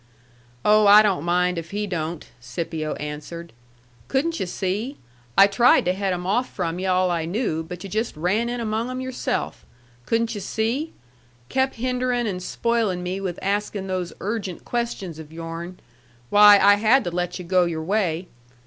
"Oh, I don't mind if he don't," Scipio answered. "Couldn't yu' see? I tried to head 'em off from yu' all I knew, but yu' just ran in among 'em yourself. Couldn't yu' see? Kep' hinderin' and spoilin' me with askin' those urgent questions of yourn why, I had to let yu' go your way!